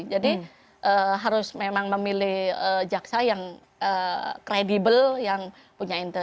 jadi harus memang memilih jaksa yang kredibel yang punya intang